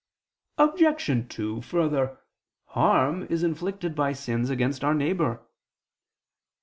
Obj. 2: Further, harm is inflicted by sins against our neighbor.